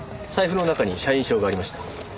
財布の中に社員証がありました。